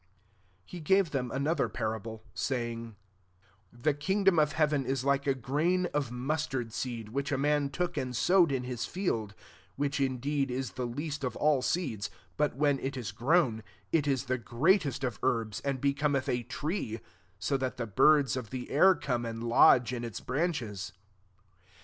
" SI He gave them another parable, saying, " The king dom of heaven is like a grain of mustard seed, which a man took and sowed in his field : 32 which indeed is the least of all seeds : but, when it is grown, it is the greatest of herbs, and be cometh a tree; so that the birds of the air come and lodge in its branches."